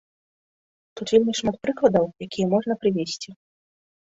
Тут вельмі шмат прыкладаў, якія можна прывесці.